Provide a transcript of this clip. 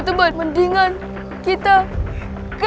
teman teman mendingan kita ke